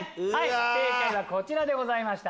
正解はこちらでございました。